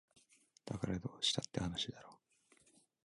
だからどうしたって話だろ